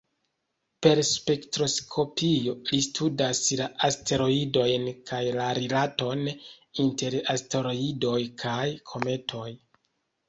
Per spektroskopio, li studas la asteroidojn, kaj la rilaton inter asteroidoj kaj kometoj.